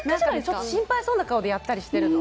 ちょっと心配そうな顔でやったりしてるの。